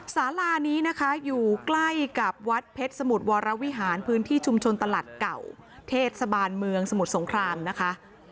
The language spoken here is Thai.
สารานี้นะคะอยู่ใกล้กับวัดเพชรสมุทรวรวิหารพื้นที่ชุมชนตลาดเก่าเทศบาลเมืองสมุทรสงครามนะคะ